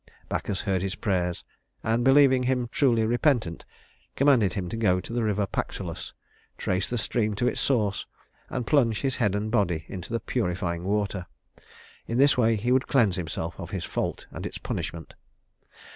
Bacchus heard his prayers, and, believing him truly repentant, commanded him to go to the river Pactolus, trace the stream to its source, and plunge his head and body into the purifying water. In this way he could cleanse himself of his fault and its punishment.